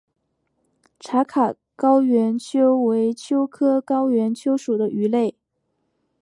茶卡高原鳅为鳅科高原鳅属的鱼类。